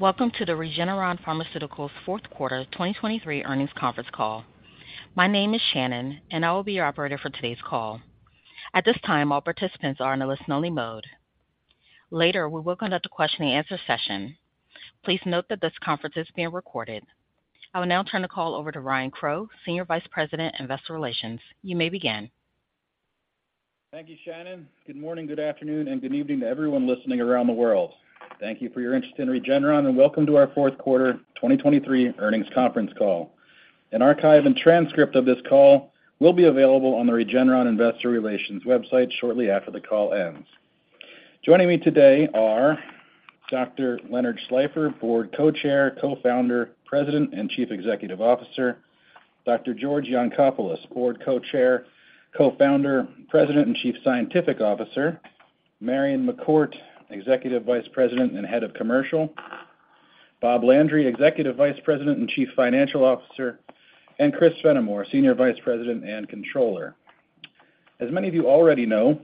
Welcome to the Regeneron Pharmaceuticals fourth quarter 2023 earnings conference call. My name is Shannon, and I will be your operator for today's call. At this time, all participants are in a listen-only mode. Later, we will conduct a question-and-answer session. Please note that this conference is being recorded. I will now turn the call over to Ryan Crowe, Senior Vice President, Investor Relations. You may begin. Thank you, Shannon. Good morning, good afternoon, and good evening to everyone listening around the world. Thank you for your interest in Regeneron, and welcome to our fourth quarter 2023 earnings conference call. An archive and transcript of this call will be available on the Regeneron Investor Relations website shortly after the call ends. Joining me today are Dr. Leonard Schleifer, Board Co-Chair, Co-Founder, President, and Chief Executive Officer; Dr. George Yancopoulos, Board Co-Chair, Co-Founder, President, and Chief Scientific Officer; Marion McCourt, Executive Vice President and Head of Commercial; Bob Landry, Executive Vice President and Chief Financial Officer; and Chris Fenimore, Senior Vice President and Controller. As many of you already know,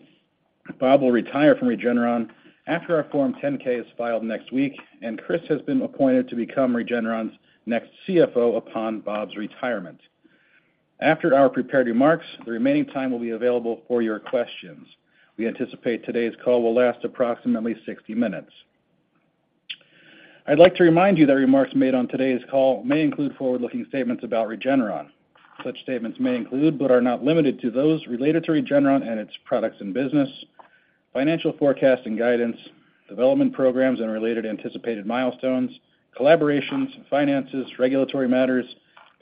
Bob will retire from Regeneron after our Form 10-K is filed next week, and Chris has been appointed to become Regeneron's next CFO upon Bob's retirement. After our prepared remarks, the remaining time will be available for your questions. We anticipate today's call will last approximately 60 minutes. I'd like to remind you that remarks made on today's call may include forward-looking statements about Regeneron. Such statements may include, but are not limited to, those related to Regeneron and its products and business, financial forecast and guidance, development programs and related anticipated milestones, collaborations, finances, regulatory matters,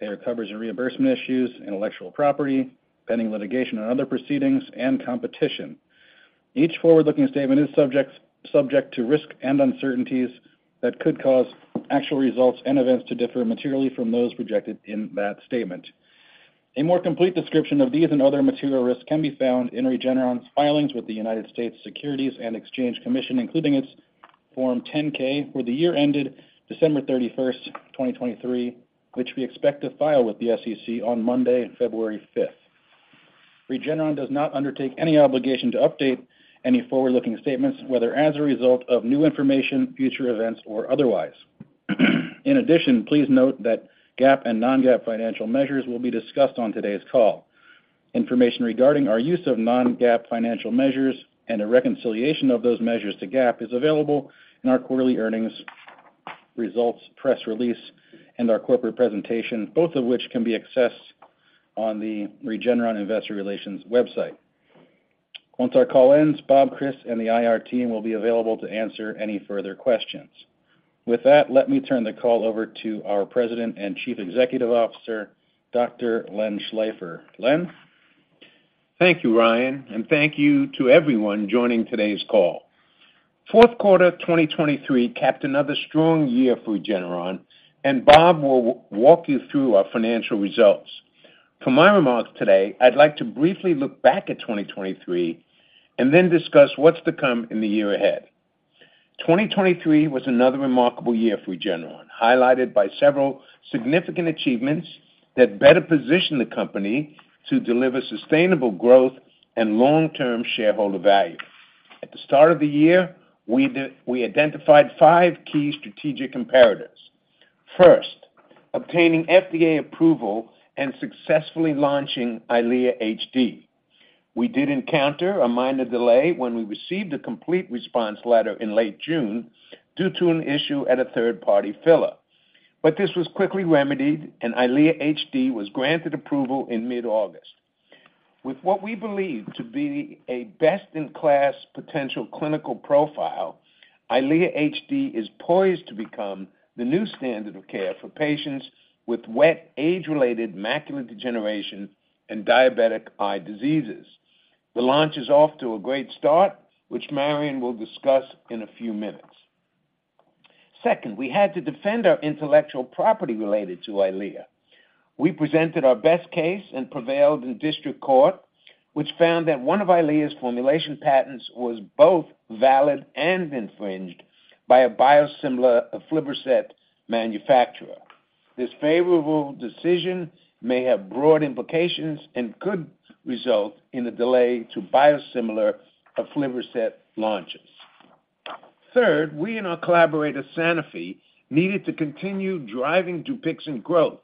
payer coverage and reimbursement issues, intellectual property, pending litigation and other proceedings, and competition. Each forward-looking statement is subject to risks and uncertainties that could cause actual results and events to differ materially from those projected in that statement. A more complete description of these and other material risks can be found in Regeneron's filings with the United States Securities and Exchange Commission, including its Form 10-K for the year ended December 31, 2023, which we expect to file with the SEC on Monday, February 5. Regeneron does not undertake any obligation to update any forward-looking statements, whether as a result of new information, future events, or otherwise. In addition, please note that GAAP and non-GAAP financial measures will be discussed on today's call. Information regarding our use of non-GAAP financial measures and a reconciliation of those measures to GAAP is available in our quarterly earnings results, press release, and our corporate presentation, both of which can be accessed on the Regeneron Investor Relations website. Once our call ends, Bob, Chris, and the IR team will be available to answer any further questions. With that, let me turn the call over to our President and Chief Executive Officer, Dr. Len Schleifer. Len? Thank you, Ryan, and thank you to everyone joining today's call. Fourth quarter 2023 capped another strong year for Regeneron, and Bob will walk you through our financial results. For my remarks today, I'd like to briefly look back at 2023 and then discuss what's to come in the year ahead. 2023 was another remarkable year for Regeneron, highlighted by several significant achievements that better position the company to deliver sustainable growth and long-term shareholder value. At the start of the year, we identified five key strategic imperatives. First, obtaining FDA approval and successfully launching EYLEA HD. We did encounter a minor delay when we received a complete response letter in late June due to an issue at a third-party filler. But this was quickly remedied, and EYLEA HD was granted approval in mid-August. With what we believe to be a best-in-class potential clinical profile, EYLEA HD is poised to become the new standard of care for patients with wet age-related macular degeneration and diabetic eye diseases. The launch is off to a great start, which Marion will discuss in a few minutes. Second, we had to defend our intellectual property related to EYLEA. We presented our best case and prevailed in district court, which found that one of EYLEA's formulation patents was both valid and infringed by a biosimilar, aflibercept manufacturer. This favorable decision may have broad implications and could result in a delay to biosimilar aflibercept launches. Third, we and our collaborator, Sanofi, needed to continue driving DUPIXENT growth,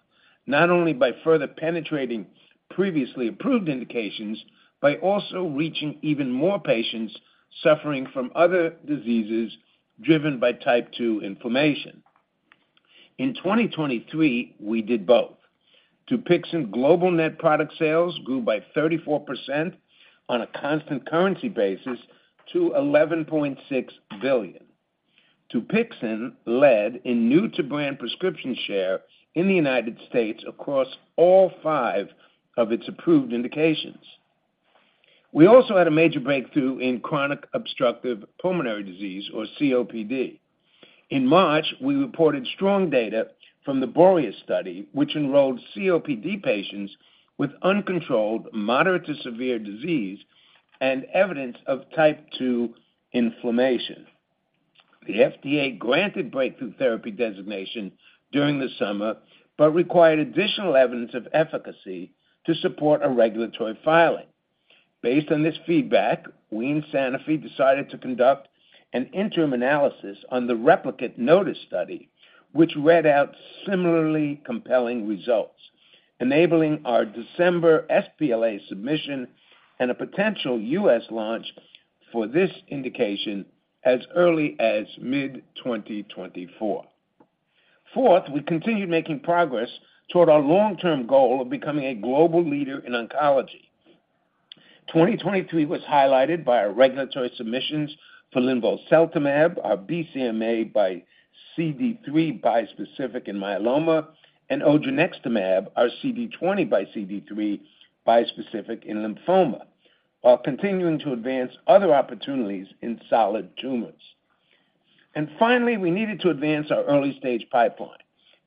not only by further penetrating previously approved indications, by also reaching even more patients suffering from other diseases driven by type 2 inflammation. In 2023, we did both. DUPIXENT global net product sales grew by 34% on a constant currency basis to $11.6 billion. DUPIXENT led in new to brand prescription share in the United States across all five of its approved indications. We also had a major breakthrough in chronic obstructive pulmonary disease, or COPD. In March, we reported strong data from the BOREAS study, which enrolled COPD patients with uncontrolled moderate to severe disease and evidence of type two inflammation. The FDA granted breakthrough therapy designation during the summer, but required additional evidence of efficacy to support a regulatory filing. Based on this feedback, we and Sanofi decided to conduct an interim analysis on the replicate NOTUS study, which read out similarly compelling results, enabling our December sBLA submission and a potential U.S. launch for this indication as early as mid-2024. Fourth, we continued making progress toward our long-term goal of becoming a global leader in oncology. 2023 was highlighted by our regulatory submissions for linvoseltamab, our BCMAxCD3 bispecific in myeloma, and odronextamab, our CD20xCD3 bispecific in lymphoma, while continuing to advance other opportunities in solid tumors. And finally, we needed to advance our early-stage pipeline.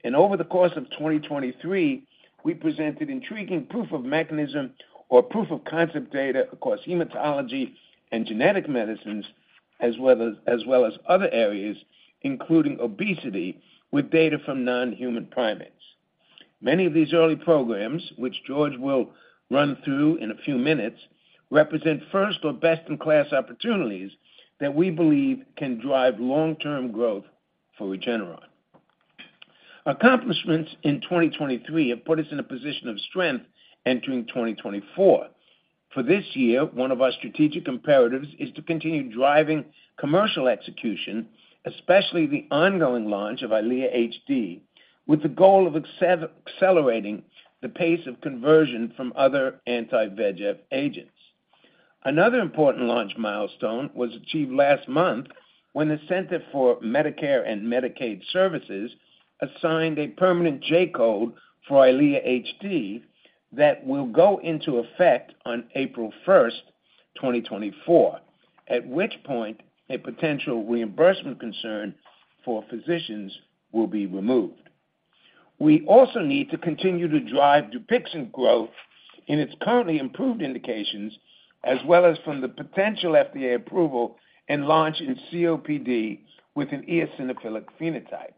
And over the course of 2023, we presented intriguing proof of mechanism or proof of concept data across hematology and genetic medicines, as well as other areas, including obesity, with data from non-human primates. Many of these early programs, which George will run through in a few minutes, represent first or best-in-class opportunities that we believe can drive long-term growth for Regeneron. Accomplishments in 2023 have put us in a position of strength entering 2024. For this year, one of our strategic imperatives is to continue driving commercial execution, especially the ongoing launch of EYLEA HD, with the goal of accelerating the pace of conversion from other anti-VEGF agents. Another important launch milestone was achieved last month when the Centers for Medicare and Medicaid Services assigned a permanent J-code for EYLEA HD that will go into effect on April 1, 2024, at which point a potential reimbursement concern for physicians will be removed. We also need to continue to drive DUPIXENT growth in its currently approved indications, as well as from the potential FDA approval and launch in COPD with an eosinophilic phenotype.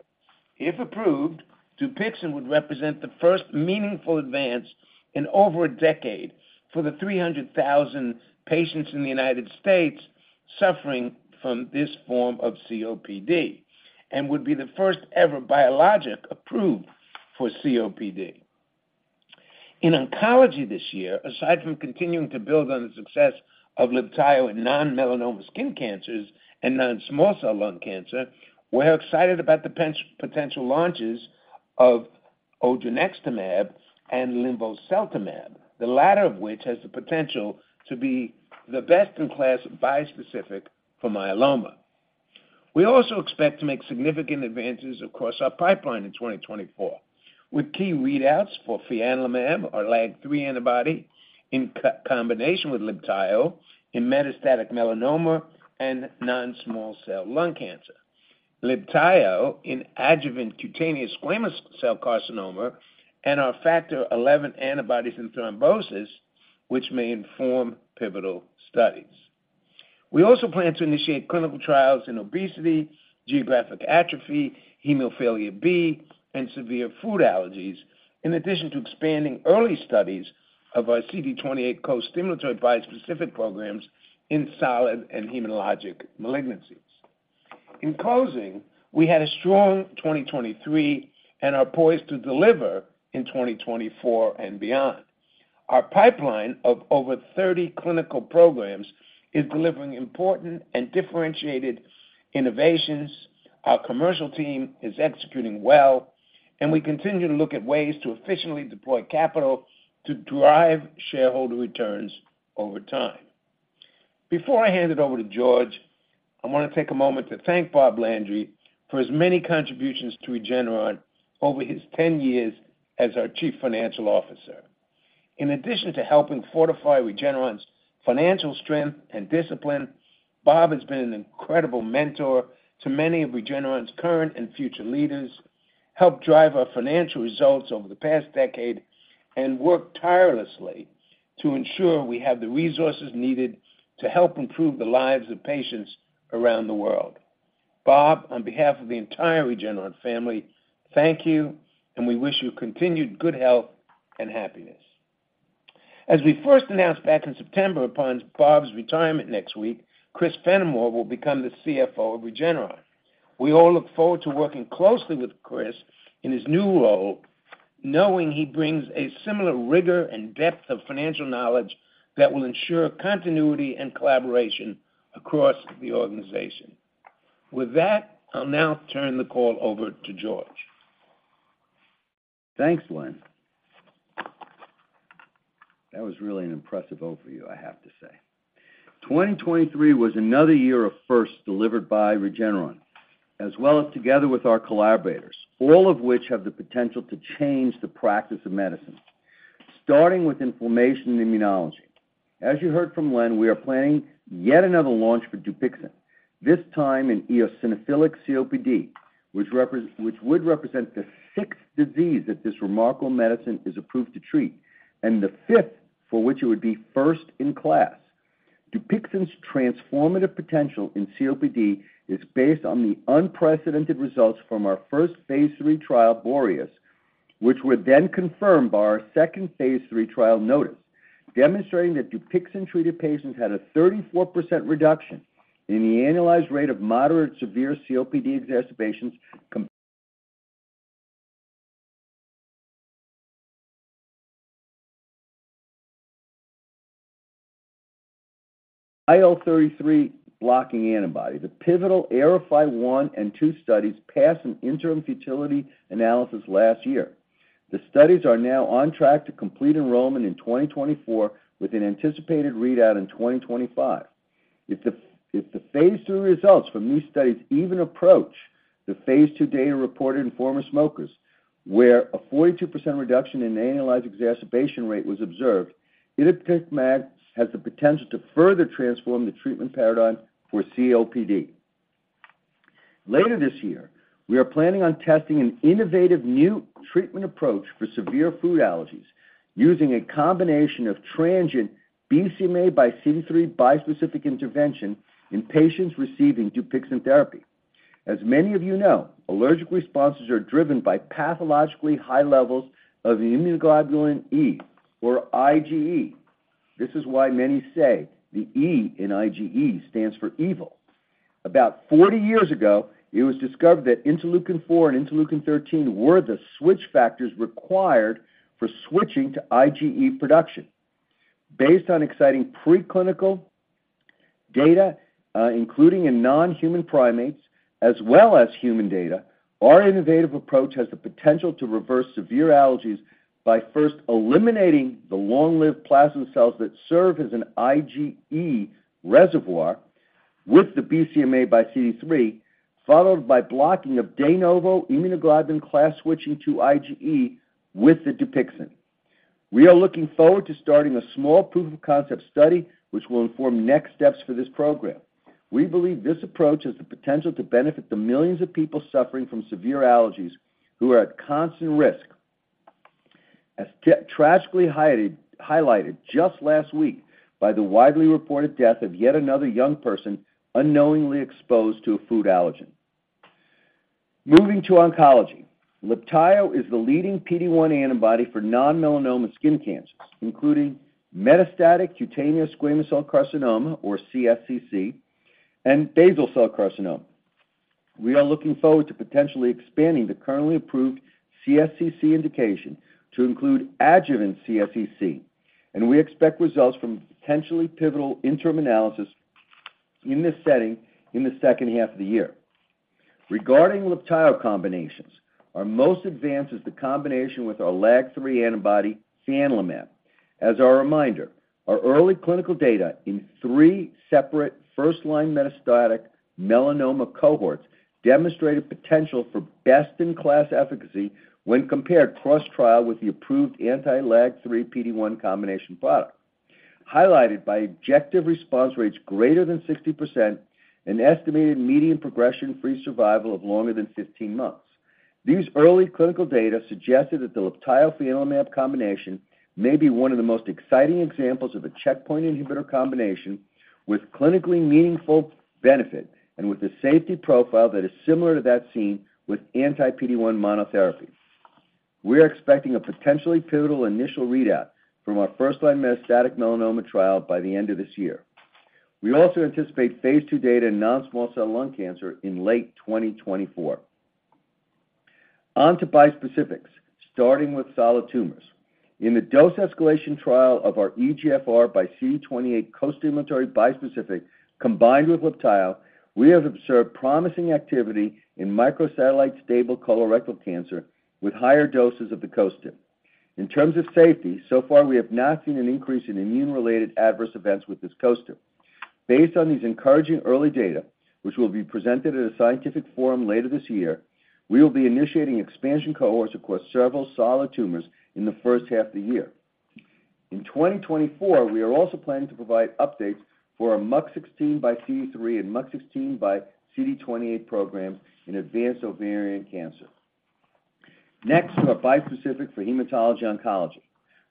If approved, DUPIXENT would represent the first meaningful advance in over a decade for the 300,000 patients in the United States suffering from this form of COPD and would be the first-ever biologic approved for COPD. In oncology this year, aside from continuing to build on the success of LIBTAYO in non-melanoma skin cancers and non-small cell lung cancer, we're excited about the potential launches of odronextamab and linvoseltamab, the latter of which has the potential to be the best in class bispecific for myeloma. We also expect to make significant advances across our pipeline in 2024, with key readouts for fianlimab, our LAG-3 antibody, in combination with LIBTAYO in metastatic melanoma and non-small cell lung cancer, LIBTAYO in adjuvant cutaneous squamous cell carcinoma, and our Factor XI antibodies in thrombosis, which may inform pivotal studies. We also plan to initiate clinical trials in obesity, geographic atrophy, hemophilia B, and severe food allergies, in addition to expanding early studies of our CD28 costimulatory bispecific programs in solid and hematologic malignancies. In closing, we had a strong 2023 and are poised to deliver in 2024 and beyond. Our pipeline of over 30 clinical programs is delivering important and differentiated innovations, our commercial team is executing well, and we continue to look at ways to efficiently deploy capital to drive shareholder returns over time. Before I hand it over to George, I want to take a moment to thank Bob Landry for his many contributions to Regeneron over his 10 years as our Chief Financial Officer. In addition to helping fortify Regeneron's financial strength and discipline, Bob has been an incredible mentor to many of Regeneron's current and future leaders, helped drive our financial results over the past decade, and worked tirelessly to ensure we have the resources needed to help improve the lives of patients around the world. Bob, on behalf of the entire Regeneron family, thank you, and we wish you continued good health and happiness. As we first announced back in September, upon Bob's retirement next week, Chris Fenimore will become the CFO of Regeneron. We all look forward to working closely with Chris in his new role, knowing he brings a similar rigor and depth of financial knowledge that will ensure continuity and collaboration across the organization. With that, I'll now turn the call over to George. Thanks, Len. That was really an impressive overview, I have to say. 2023 was another year of firsts delivered by Regeneron, as well as together with our collaborators, all of which have the potential to change the practice of medicine. Starting with inflammation and immunology, as you heard from Len, we are planning yet another launch for DUPIXENT, this time in eosinophilic COPD, which would represent the sixth disease that this remarkable medicine is approved to treat, and the fifth for which it would be first in class. DUPIXENT's transformative potential in COPD is based on the unprecedented results from our first phase III trial, BOREAS, which were then confirmed by our second phase III trial, NOTUS, demonstrating that DUPIXENT-treated patients had a 34% reduction in the annualized rate of moderate severe COPD exacerbations IL-33 blocking antibody. The pivotal AERIFY-1 and 2 studies passed an interim futility analysis last year. The studies are now on track to complete enrollment in 2024, with an anticipated readout in 2025. If the phase III results from these studies even approach the phase II data reported in former smokers, where a 42% reduction in annualized exacerbation rate was observed, itepekimab has the potential to further transform the treatment paradigm for COPD. Later this year, we are planning on testing an innovative new treatment approach for severe food allergies, using a combination of transient BCMAxCD3 bispecific intervention in patients receiving DUPIXENT therapy. As many of you know, allergic responses are driven by pathologically high levels of the immunoglobulin E, or IgE. This is why many say the E in IgE stands for evil. About 40 years ago, it was discovered that interleukin-4 and interleukin-13 were the switch factors required for switching to IgE production. Based on exciting preclinical data, including in non-human primates as well as human data, our innovative approach has the potential to reverse severe allergies by first eliminating the long-lived plasma cells that serve as an IgE reservoir with the BCMAxCD3, followed by blocking of de novo immunoglobulin class switching to IgE with the DUPIXENT. We are looking forward to starting a small proof of concept study, which will inform next steps for this program. We believe this approach has the potential to benefit the millions of people suffering from severe allergies who are at constant risk, as tragically highlighted just last week by the widely reported death of yet another young person unknowingly exposed to a food allergen. Moving to oncology. LIBTAYO is the leading PD-1 antibody for non-melanoma skin cancers, including metastatic cutaneous squamous cell carcinoma, or CSCC, and basal cell carcinoma. We are looking forward to potentially expanding the currently approved CSCC indication to include adjuvant CSCC, and we expect results from potentially pivotal interim analysis in this setting in the second half of the year. Regarding LIBTAYO combinations, our most advanced is the combination with our LAG-3 antibody, fianlimab. As a reminder, our early clinical data in three separate first-line metastatic melanoma cohorts demonstrated potential for best-in-class efficacy when compared cross-trial with the approved anti-LAG-3 PD-1 combination product, highlighted by objective response rates greater than 60% and estimated median progression-free survival of longer than 15 months. These early clinical data suggested that the LIBTAYO fianlimab combination may be one of the most exciting examples of a checkpoint inhibitor combination with clinically meaningful benefit and with a safety profile that is similar to that seen with anti-PD-1 monotherapy. We're expecting a potentially pivotal initial readout from our first-line metastatic melanoma trial by the end of this year. We also anticipate phase II data in non-small cell lung cancer in late 2024. On to bispecifics, starting with solid tumors. In the dose escalation trial of our EGFRxCD28 costimulatory bispecific combined with LIBTAYO, we have observed promising activity in microsatellite stable colorectal cancer with higher doses of the costim. In terms of safety, so far, we have not seen an increase in immune-related adverse events with this costim. Based on these encouraging early data, which will be presented at a scientific forum later this year, we will be initiating expansion cohorts across several solid tumors in the first half of the year. In 2024, we are also planning to provide updates for our MUC16xCD3 and MUC16xCD28 programs in advanced ovarian cancer. Next, to our bispecific for hematology oncology.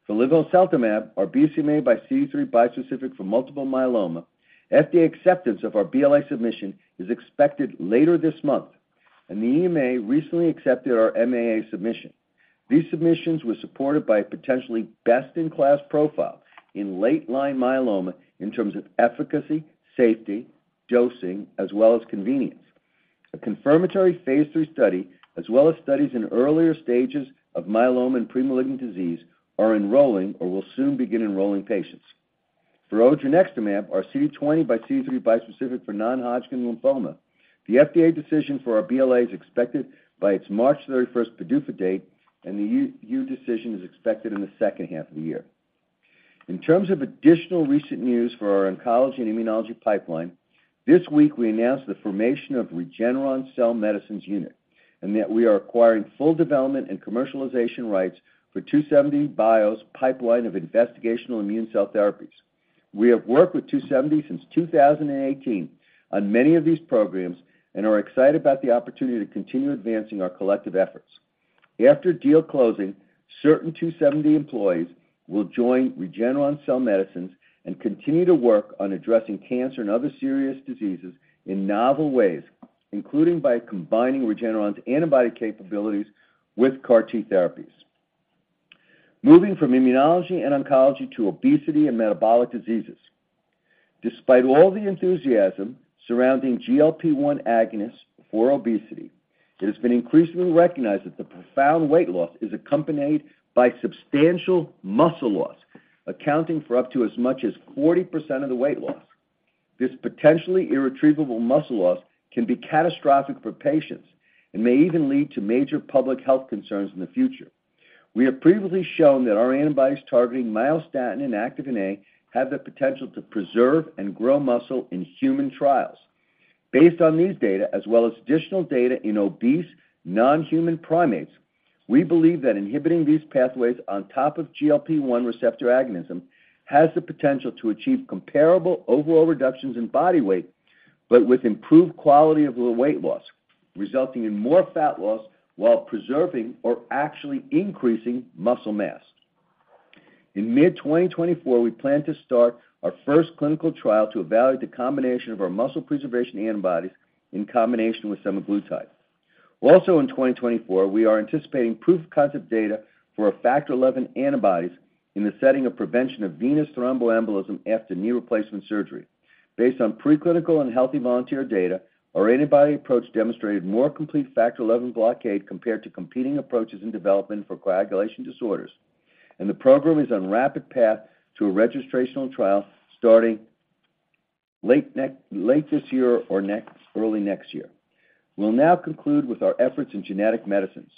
For linvoseltamab, our BCMAxCD3 bispecific for multiple myeloma, FDA acceptance of our BLA submission is expected later this month, and the EMA recently accepted our MAA submission. These submissions were supported by a potentially best-in-class profile in late-line myeloma in terms of efficacy, safety, dosing, as well as convenience. A confirmatory phase III study, as well as studies in earlier stages of myeloma and premalignant disease, are enrolling or will soon begin enrolling patients. For odronextamab, our CD20xCD3 bispecific for non-Hodgkin lymphoma, the FDA decision for our BLA is expected by its March 31 PDUFA date, and the EU decision is expected in the second half of the year. In terms of additional recent news for our oncology and immunology pipeline, this week we announced the formation of Regeneron Cell Medicines Unit, and that we are acquiring full development and commercialization rights for 2seventy bio's pipeline of investigational immune cell therapies. We have worked with 2seventy since 2018 on many of these programs and are excited about the opportunity to continue advancing our collective efforts. After deal closing, certain 2seventy employees will join Regeneron Cell Medicines and continue to work on addressing cancer and other serious diseases in novel ways, including by combining Regeneron's antibody capabilities with CAR-T therapies. Moving from immunology and oncology to obesity and metabolic diseases. Despite all the enthusiasm surrounding GLP-1 agonists for obesity, it has been increasingly recognized that the profound weight loss is accompanied by substantial muscle loss, accounting for up to as much as 40% of the weight loss. This potentially irretrievable muscle loss can be catastrophic for patients and may even lead to major public health concerns in the future. We have previously shown that our antibodies targeting myostatin and activin A have the potential to preserve and grow muscle in human trials. Based on these data, as well as additional data in obese non-human primates, we believe that inhibiting these pathways on top of GLP-1 receptor agonism has the potential to achieve comparable overall reductions in body weight, but with improved quality of the weight loss, resulting in more fat loss while preserving or actually increasing muscle mass. In mid-2024, we plan to start our first clinical trial to evaluate the combination of our muscle preservation antibodies in combination with semaglutide. Also in 2024, we are anticipating proof-of-concept data for our factor XI antibodies in the setting of prevention of venous thromboembolism after knee replacement surgery. Based on preclinical and healthy volunteer data, our antibody approach demonstrated more complete factor XI blockade compared to competing approaches in development for coagulation disorders, and the program is on rapid path to a registrational trial starting late this year or early next year. We'll now conclude with our efforts in genetic medicines.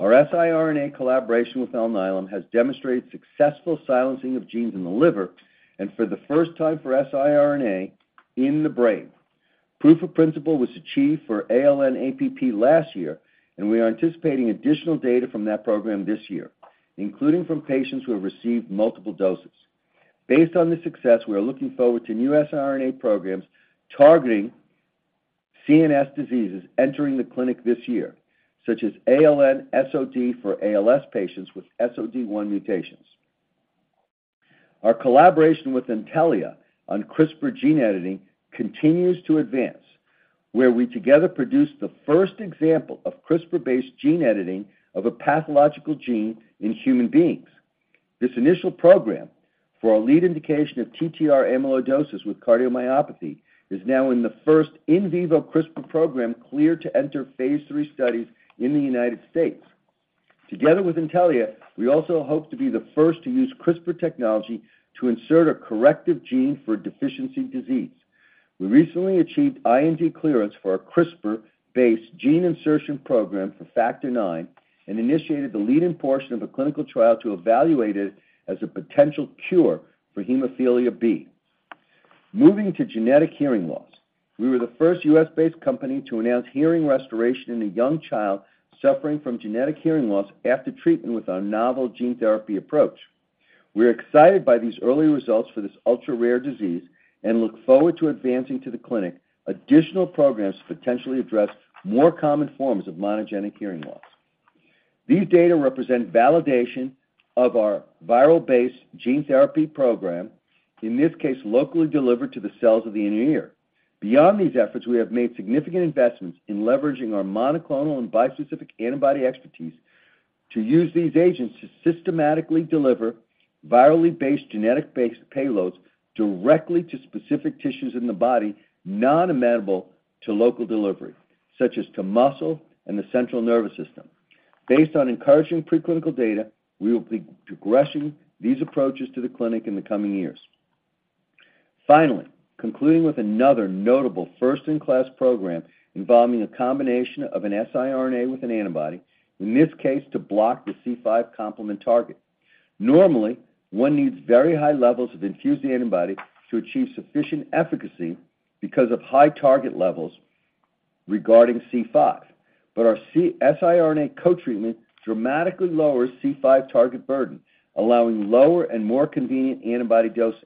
Our siRNA collaboration with Alnylam has demonstrated successful silencing of genes in the liver, and for the first time for siRNA, in the brain. Proof of principle was achieved for ALN-APP last year, and we are anticipating additional data from that program this year, including from patients who have received multiple doses. Based on this success, we are looking forward to new siRNA programs targeting CNS diseases entering the clinic this year, such as ALN-SOD for ALS patients with SOD1 mutations. Our collaboration with Intellia on CRISPR gene editing continues to advance, where we together produced the first example of CRISPR-based gene editing of a pathological gene in human beings. This initial program for our lead indication of TTR amyloidosis with cardiomyopathy is now the first in vivo CRISPR program cleared to enter phase III studies in the United States. Together with Intellia, we also hope to be the first to use CRISPR technology to insert a corrective gene for deficiency disease. We recently achieved IND clearance for our CRISPR-based gene insertion program for Factor IX and initiated the lead-in portion of a clinical trial to evaluate it as a potential cure for hemophilia B. Moving to genetic hearing loss, we were the first U.S.-based company to announce hearing restoration in a young child suffering from genetic hearing loss after treatment with our novel gene therapy approach. We are excited by these early results for this ultra-rare disease and look forward to advancing to the clinic additional programs to potentially address more common forms of monogenic hearing loss. These data represent validation of our viral-based gene therapy program, in this case, locally delivered to the cells of the inner ear. Beyond these efforts, we have made significant investments in leveraging our monoclonal and bispecific antibody expertise to use these agents to systematically deliver virally based, genetic-based payloads directly to specific tissues in the body not amenable to local delivery, such as to muscle and the central nervous system. Based on encouraging preclinical data, we will be progressing these approaches to the clinic in the coming years. Finally, concluding with another notable first-in-class program involving a combination of an siRNA with an antibody, in this case, to block the C5 complement target. Normally, one needs very high levels of infused antibody to achieve sufficient efficacy because of high target levels regarding C5. But our siRNA co-treatment dramatically lowers C5 target burden, allowing lower and more convenient antibody dosing.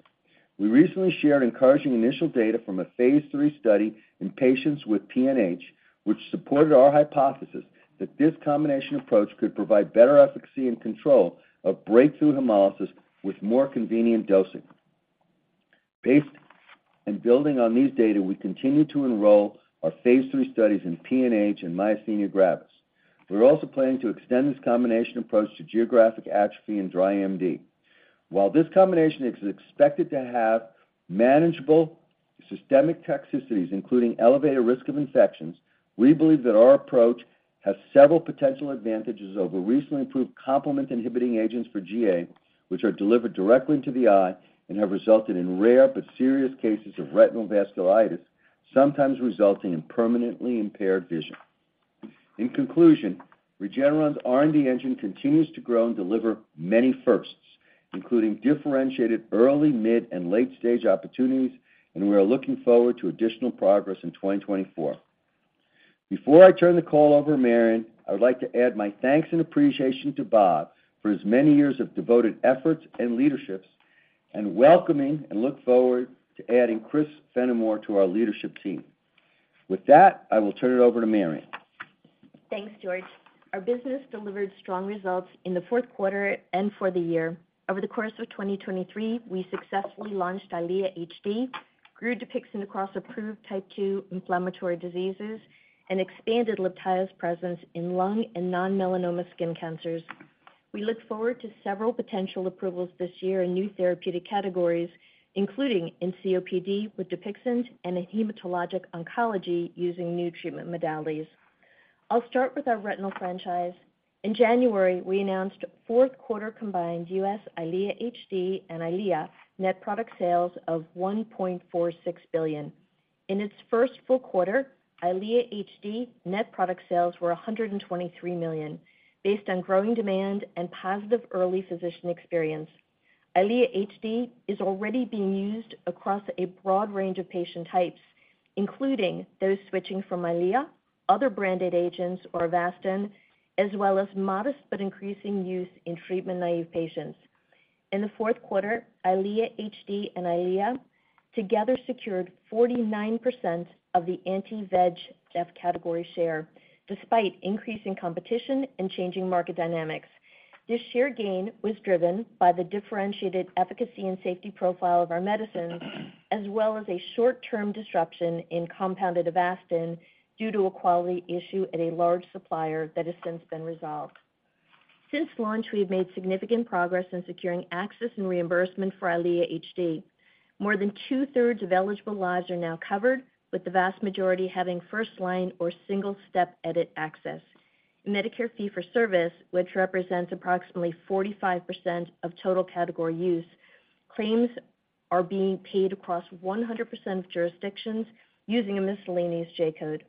We recently shared encouraging initial data from a phase III study in patients with PNH, which supported our hypothesis that this combination approach could provide better efficacy and control of breakthrough hemolysis with more convenient dosing. Based and building on these data, we continue to enroll our phase III studies in PNH and myasthenia gravis. We're also planning to extend this combination approach to geographic atrophy and dry AMD. While this combination is expected to have manageable systemic toxicities, including elevated risk of infections, we believe that our approach has several potential advantages over recently approved complement-inhibiting agents for GA, which are delivered directly into the eye and have resulted in rare but serious cases of retinal vasculitis, sometimes resulting in permanently impaired vision. In conclusion, Regeneron's R&D engine continues to grow and deliver many firsts, including differentiated early-, mid-, and late-stage opportunities, and we are looking forward to additional progress in 2024. Before I turn the call over to Marion, I would like to add my thanks and appreciation to Bob for his many years of devoted efforts and leadership, and welcoming and look forward to adding Chris Fenimore to our leadership team. With that, I will turn it over to Marion. Thanks, George. Our business delivered strong results in the fourth quarter and for the year. Over the course of 2023, we successfully launched EYLEA HD, grew DUPIXENT across approved type 2 inflammatory diseases, and expanded LIBTAYO's presence in lung and non-melanoma skin cancers. We look forward to several potential approvals this year in new therapeutic categories, including in COPD with DUPIXENT and in hematologic oncology using new treatment modalities. I'll start with our retinal franchise. In January, we announced fourth quarter combined U.S. EYLEA HD and EYLEA net product sales of $1.46 billion. In its first full quarter, EYLEA HD net product sales were $123 million. Based on growing demand and positive early physician experience, EYLEA HD is already being used across a broad range of patient types, including those switching from EYLEA, other branded agents or Avastin, as well as modest but increasing use in treatment-naive patients. In the fourth quarter, EYLEA HD and EYLEA together secured 49% of the anti-VEGF category share, despite increasing competition and changing market dynamics. This share gain was driven by the differentiated efficacy and safety profile of our medicines, as well as a short-term disruption in compounded Avastin due to a quality issue at a large supplier that has since been resolved. Since launch, we've made significant progress in securing access and reimbursement for EYLEA HD. More than 2/3 of eligible lives are now covered, with the vast majority having first-line or single-step edit access. In Medicare fee-for-service, which represents approximately 45% of total category use, claims are being paid across 100% of jurisdictions using a miscellaneous J-code.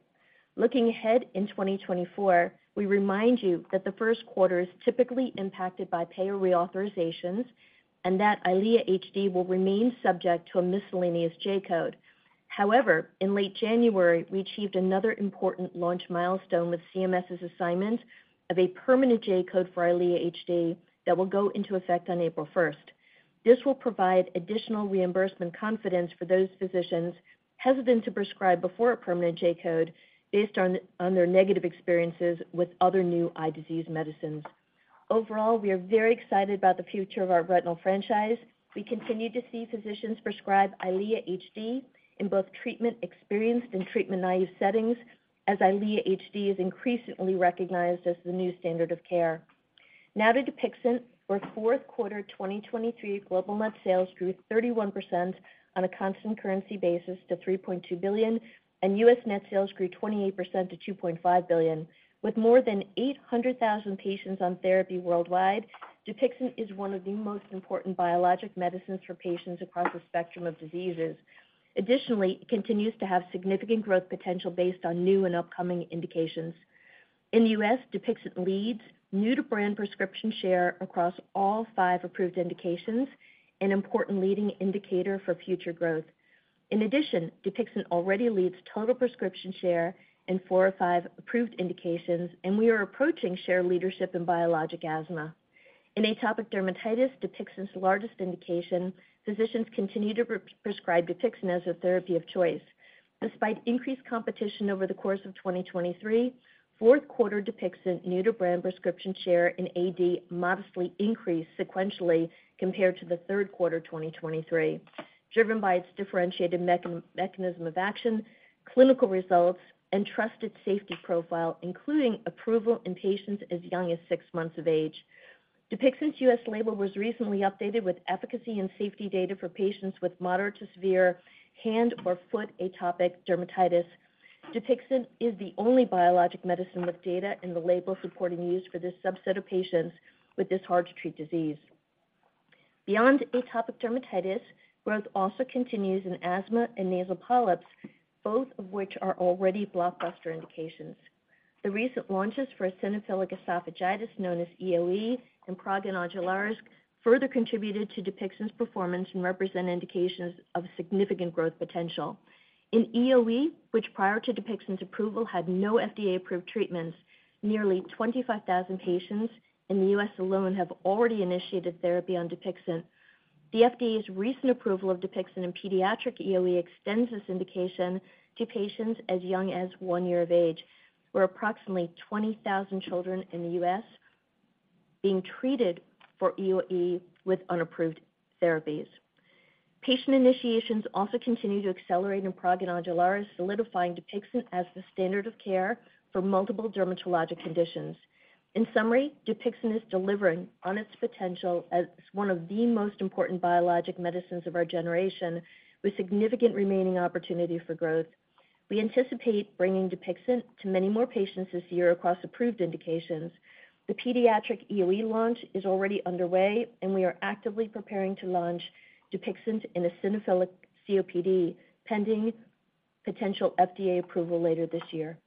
Looking ahead in 2024, we remind you that the first quarter is typically impacted by payer reauthorizations and that EYLEA HD will remain subject to a miscellaneous J-code. However, in late January, we achieved another important launch milestone with CMS's assignment of a permanent J-code for EYLEA HD that will go into effect on April 1. This will provide additional reimbursement confidence for those physicians hesitant to prescribe before a permanent J-code based on their negative experiences with other new eye disease medicines. Overall, we are very excited about the future of our retinal franchise. We continue to see physicians prescribe EYLEA HD in both treatment-experienced and treatment-naive settings, as EYLEA HD is increasingly recognized as the new standard of care. Now to DUPIXENT, where fourth quarter 2023 global net sales grew 31% on a constant currency basis to $3.2 billion, and U.S. net sales grew 28% to $2.5 billion. With more than 800,000 patients on therapy worldwide, DUPIXENT is one of the most important biologic medicines for patients across the spectrum of diseases. Additionally, it continues to have significant growth potential based on new and upcoming indications. In the U.S., DUPIXENT leads new-to-brand prescription share across all five approved indications, an important leading indicator for future growth. In addition, DUPIXENT already leads total prescription share in four of five approved indications, and we are approaching share leadership in biologic asthma. In atopic dermatitis, DUPIXENT's largest indication, physicians continue to prescribe DUPIXENT as a therapy of choice. Despite increased competition over the course of 2023, fourth quarter DUPIXENT new-to-brand prescription share in AD modestly increased sequentially compared to the third quarter 2023, driven by its differentiated mechanism of action, clinical results, and trusted safety profile, including approval in patients as young as six months of age. DUPIXENT's U.S. label was recently updated with efficacy and safety data for patients with moderate to severe hand or foot atopic dermatitis. DUPIXENT is the only biologic medicine with data in the label supporting use for this subset of patients with this hard-to-treat disease. Beyond atopic dermatitis, growth also continues in asthma and nasal polyps, both of which are already blockbuster indications. The recent launches for eosinophilic esophagitis, known as EoE, and prurigo nodularis, further contributed to DUPIXENT's performance and represent indications of significant growth potential. In EoE, which prior to DUPIXENT's approval, had no FDA-approved treatments, nearly 25,000 patients in the U.S. alone have already initiated therapy on DUPIXENT. The FDA's recent approval of DUPIXENT in pediatric EoE extends this indication to patients as young as one year of age, where approximately 20,000 children in the U.S. being treated for EoE with unapproved therapies. Patient initiations also continue to accelerate in prurigo nodularis, solidifying DUPIXENT as the standard of care for multiple dermatologic conditions. In summary, DUPIXENT is delivering on its potential as one of the most important biologic medicines of our generation, with significant remaining opportunity for growth. We anticipate bringing DUPIXENT to many more patients this year across approved indications. The pediatric EoE launch is already underway, and we are actively preparing to launch DUPIXENT in eosinophilic COPD, pending potential FDA approval later this year.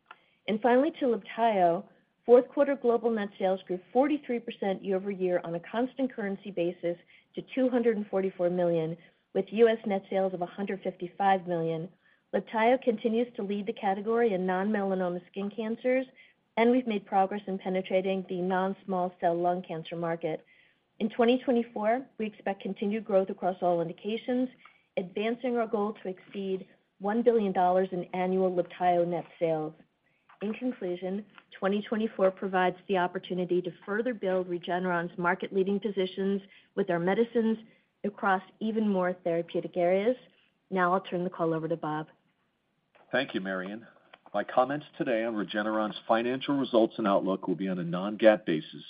Finally, to LIBTAYO. Fourth quarter global net sales grew 43% year-over-year on a constant currency basis to $244 million, with U.S. net sales of $155 million. LIBTAYO continues to lead the category in non-melanoma skin cancers, and we've made progress in penetrating the non-small cell lung cancer market. In 2024, we expect continued growth across all indications, advancing our goal to exceed $1 billion in annual LIBTAYO net sales. In conclusion, 2024 provides the opportunity to further build Regeneron's market-leading positions with our medicines across even more therapeutic areas. Now I'll turn the call over to Bob. Thank you, Marion. My comments today on Regeneron's financial results and outlook will be on a non-GAAP basis,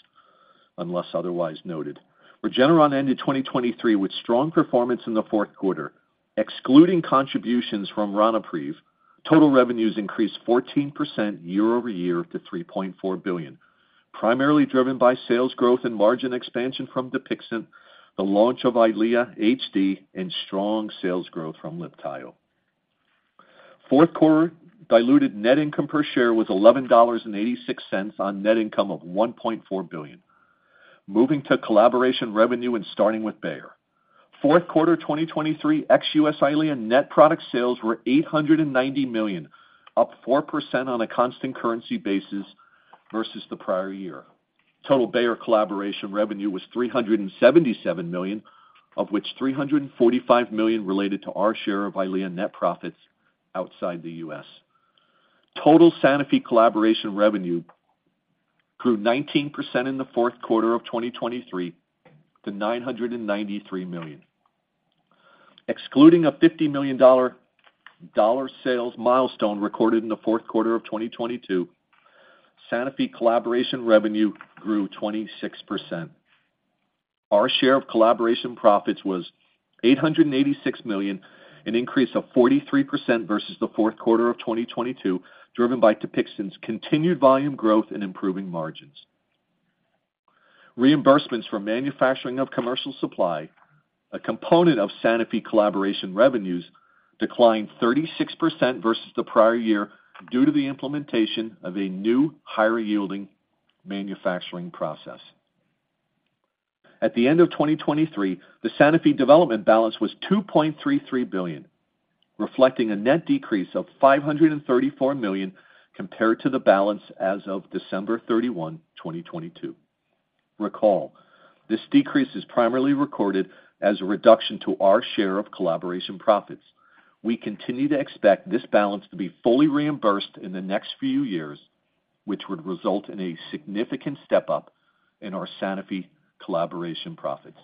unless otherwise noted. Regeneron ended 2023 with strong performance in the fourth quarter. Excluding contributions from Ronapreve, total revenues increased 14% year-over-year to $3.4 billion, primarily driven by sales growth and margin expansion from DUPIXENT, the launch of EYLEA HD, and strong sales growth from LIBTAYO. Fourth quarter diluted net income per share was $11.86 on net income of $1.4 billion. Moving to collaboration revenue and starting with Bayer. Fourth quarter 2023 ex-U.S. EYLEA net product sales were $890 million, up 4% on a constant currency basis versus the prior year. Total Bayer collaboration revenue was $377 million, of which $345 million related to our share of EYLEA net profits outside the U.S. Total Sanofi collaboration revenue grew 19% in the fourth quarter of 2023 to $993 million. Excluding a $50 million dollar, dollar sales milestone recorded in the fourth quarter of 2022, Sanofi collaboration revenue grew 26%. Our share of collaboration profits was $886 million, an increase of 43% versus the fourth quarter of 2022, driven by DUPIXENT's continued volume growth and improving margins. Reimbursements for manufacturing of commercial supply, a component of Sanofi collaboration revenues, declined 36% versus the prior year due to the implementation of a new, higher-yielding manufacturing process. At the end of 2023, the Sanofi development balance was $2.33 billion, reflecting a net decrease of $534 million compared to the balance as of December 31, 2022. Recall, this decrease is primarily recorded as a reduction to our share of collaboration profits. We continue to expect this balance to be fully reimbursed in the next few years, which would result in a significant step-up in our Sanofi collaboration profits.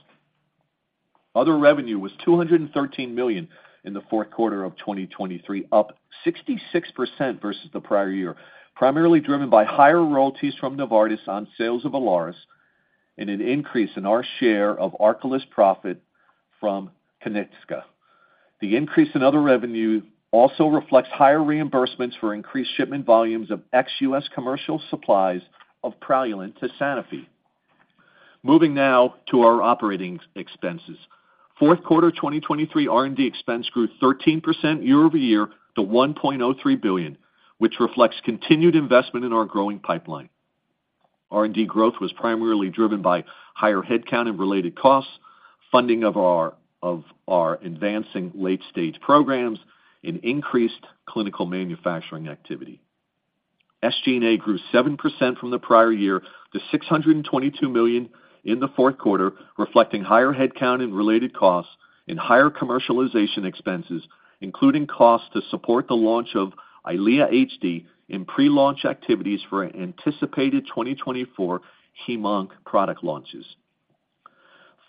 Other revenue was $213 million in the fourth quarter of 2023, up 66% versus the prior year, primarily driven by higher royalties from Novartis on sales of ILARIS and an increase in our share of ARCALYST's profit from Kiniksa. The increase in other revenue also reflects higher reimbursements for increased shipment volumes of ex-U.S. commercial supplies of PRALUENT to Sanofi. Moving now to our operating expenses. Fourth quarter 2023 R&D expense grew 13% year-over-year to $1.03 billion, which reflects continued investment in our growing pipeline. R&D growth was primarily driven by higher headcount and related costs, funding of our advancing late-stage programs and increased clinical manufacturing activity. SG&A grew 7% from the prior year to $622 million in the fourth quarter, reflecting higher headcount and related costs and higher commercialization expenses, including costs to support the launch of EYLEA HD in pre-launch activities for anticipated 2024 hem/onc product launches.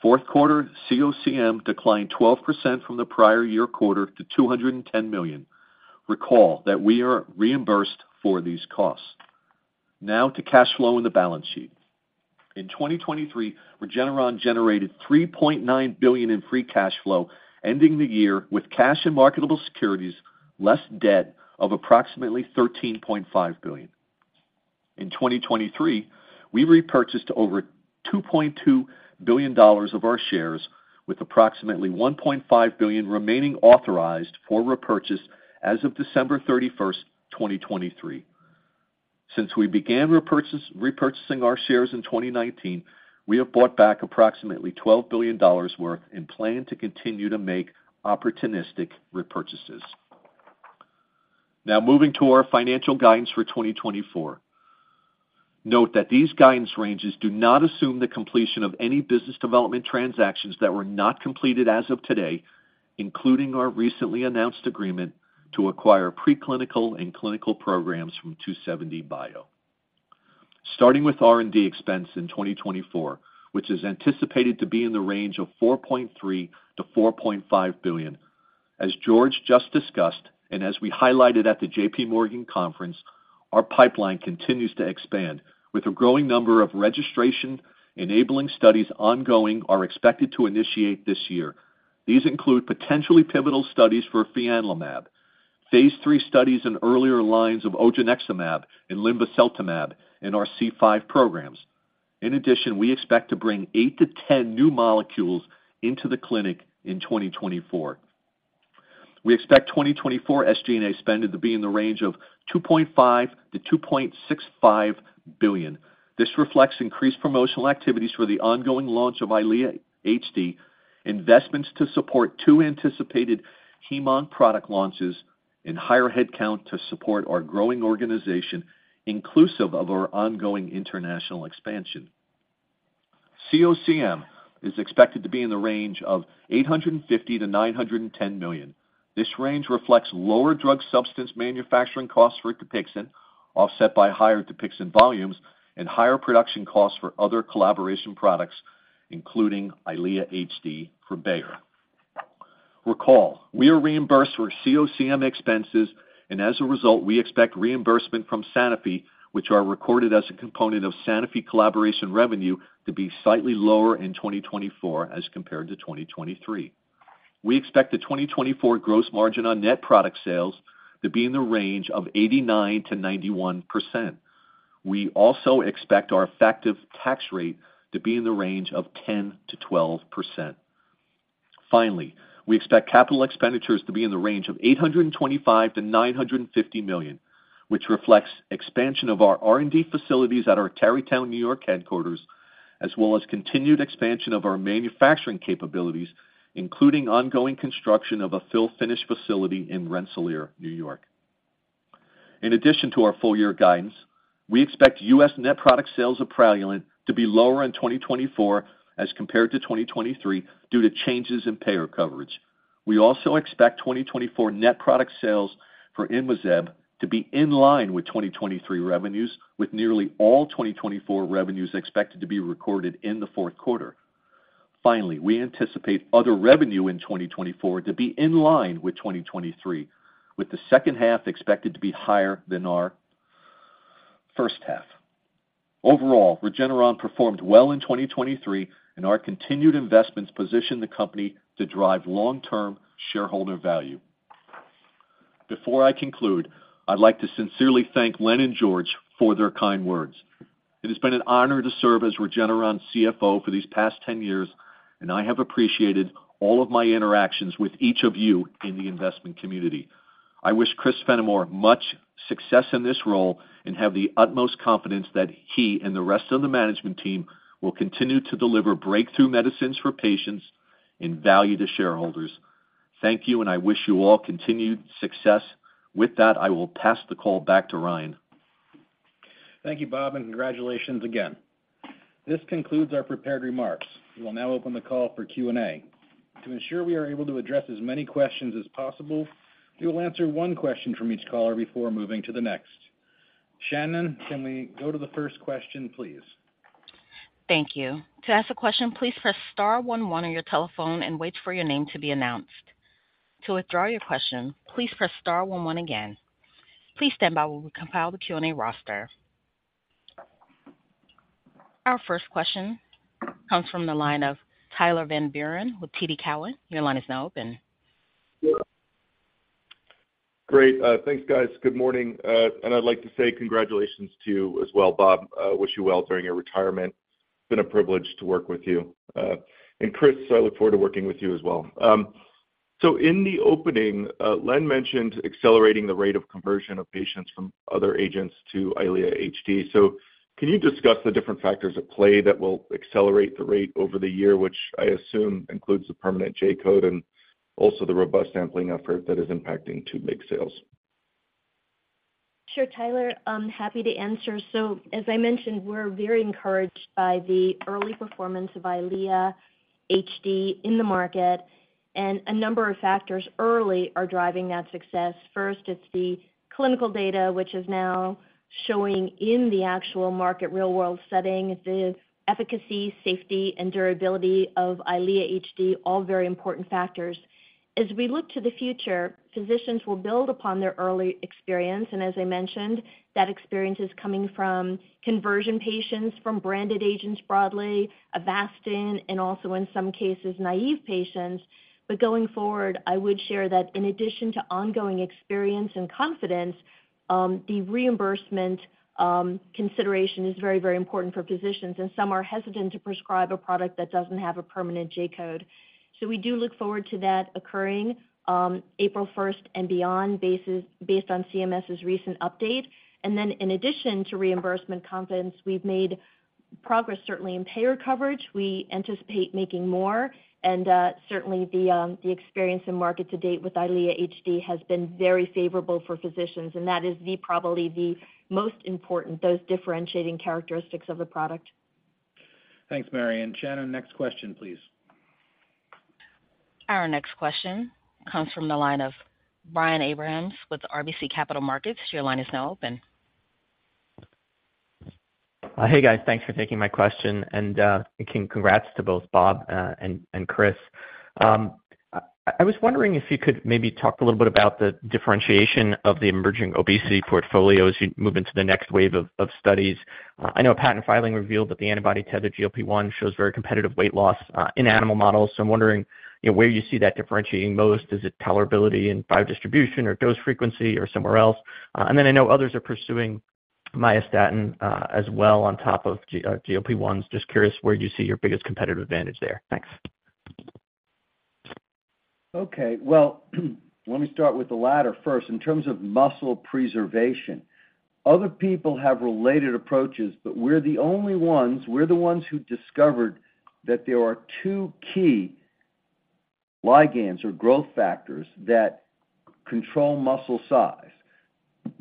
Fourth quarter COCM declined 12% from the prior year quarter to $210 million. Recall that we are reimbursed for these costs. Now to cash flow and the balance sheet. In 2023, Regeneron generated $3.9 billion in free cash flow, ending the year with cash and marketable securities, less debt of approximately $13.5 billion. In 2023, we repurchased over $2.2 billion of our shares, with approximately $1.5 billion remaining authorized for repurchase as of December 31, 2023. Since we began repurchasing our shares in 2019, we have bought back approximately $12 billion worth and plan to continue to make opportunistic repurchases. Now moving to our financial guidance for 2024. Note that these guidance ranges do not assume the completion of any business development transactions that were not completed as of today, including our recently announced agreement to acquire preclinical and clinical programs from 2seventy bio. Starting with R&D expense in 2024, which is anticipated to be in the range of $4.3 billion-$4.5 billion. As George just discussed, and as we highlighted at the JPMorgan conference, our pipeline continues to expand, with a growing number of registration-enabling studies ongoing are expected to initiate this year. These include potentially pivotal studies for fianlimab, phase III studies in earlier lines of odronextamab and linvoseltamab in our C5 programs. In addition, we expect to bring eight-10 new molecules into the clinic in 2024. We expect 2024 SG&A spending to be in the range of $2.5 billion-$2.65 billion. This reflects increased promotional activities for the ongoing launch of EYLEA HD, investments to support two anticipated hem/onc product launches, and higher headcount to support our growing organization, inclusive of our ongoing international expansion. COCM is expected to be in the range of $850 million-$910 million. This range reflects lower drug substance manufacturing costs for DUPIXENT, offset by higher DUPIXENT volumes and higher production costs for other collaboration products, including EYLEA HD for Bayer. Recall, we are reimbursed for COCM expenses, and as a result, we expect reimbursement from Sanofi, which are recorded as a component of Sanofi collaboration revenue, to be slightly lower in 2024 as compared to 2023. We expect the 2024 gross margin on net product sales to be in the range of 89%-91%. We also expect our effective tax rate to be in the range of 10%-12%. Finally, we expect capital expenditures to be in the range of $825 million-$950 million, which reflects expansion of our R&D facilities at our Tarrytown, New York headquarters, as well as continued expansion of our manufacturing capabilities, including ongoing construction of a fill finish facility in Rensselaer, New York. In addition to our full-year guidance, we expect U.S. net product sales of PRALUENT to be lower in 2024 as compared to 2023 due to changes in payer coverage. We also expect 2024 net product sales for INMAZEB to be in line with 2023 revenues, with nearly all 2024 revenues expected to be recorded in the fourth quarter. Finally, we anticipate other revenue in 2024 to be in line with 2023, with the second half expected to be higher than our first half. Overall, Regeneron performed well in 2023, and our continued investments position the company to drive long-term shareholder value. Before I conclude, I'd like to sincerely thank Len and George for their kind words. It has been an honor to serve as Regeneron's CFO for these past 10 years, and I have appreciated all of my interactions with each of you in the investment community. I wish Chris Fenimore much success in this role and have the utmost confidence that he and the rest of the management team will continue to deliver breakthrough medicines for patients and value to shareholders. Thank you, and I wish you all continued success. With that, I will pass the call back to Ryan. Thank you, Bob, and congratulations again. This concludes our prepared remarks. We will now open the call for Q&A. To ensure we are able to address as many questions as possible, we will answer one question from each caller before moving to the next. Shannon, can we go to the first question, please? Thank you. To ask a question, please press star one one on your telephone and wait for your name to be announced. To withdraw your question, please press star one one again. Please stand by while we compile the Q&A roster. Our first question comes from the line of Tyler Van Buren with TD Cowen. Your line is now open. Great. Thanks, guys. Good morning, and I'd like to say congratulations to you as well, Bob. Wish you well during your retirement. It's been a privilege to work with you. And Chris, I look forward to working with you as well. So in the opening, Len mentioned accelerating the rate of conversion of patients from other agents to EYLEA HD. So can you discuss the different factors at play that will accelerate the rate over the year, which I assume includes the permanent J-code and also the robust sampling effort that is impacting two big sales? Sure, Tyler, I'm happy to answer. So as I mentioned, we're very encouraged by the early performance of EYLEA HD in the market, and a number of factors early are driving that success. First, it's the clinical data, which is now showing in the actual market, real-world setting, the efficacy, safety, and durability of EYLEA HD, all very important factors. As we look to the future, physicians will build upon their early experience, and as I mentioned, that experience is coming from conversion patients, from branded agents broadly, Avastin, and also in some cases, naive patients. But going forward, I would share that in addition to ongoing experience and confidence, the reimbursement, consideration is very, very important for physicians, and some are hesitant to prescribe a product that doesn't have a permanent J-code. So we do look forward to that occurring, April first and beyond, based on CMS's recent update. And then in addition to reimbursement confidence, we've made progress, certainly in payer coverage. We anticipate making more, and certainly the experience in market-to-date with EYLEA HD has been very favorable for physicians, and that is probably the most important, those differentiating characteristics of the product. Thanks, Marrion. Shannon, next question, please. Our next question comes from the line of Brian Abrahams with RBC Capital Markets. Your line is now open. Hey, guys. Thanks for taking my question, and congrats to both Bob and Chris. I was wondering if you could maybe talk a little bit about the differentiation of the emerging obesity portfolio as you move into the next wave of studies. I know a patent filing revealed that the antibody-tethered GLP-1 shows very competitive weight loss in animal models. So I'm wondering, you know, where you see that differentiating most? Is it tolerability and biodistribution, or dose frequency, or somewhere else? And then I know others are pursuing myostatin as well, on top of GLP-1s. Just curious where you see your biggest competitive advantage there. Thanks. Okay. Well, let me start with the latter first. In terms of muscle preservation, other people have related approaches, but we're the only ones. We're the ones who discovered that there are two key ligands or growth factors that control muscle size.